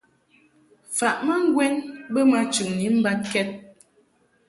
Faʼ ma ŋgwɛn bə ma chɨŋni mbad kɛd.